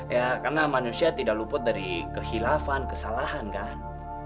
ya karena manusia tidak luput dari kehilafan kesalahan kan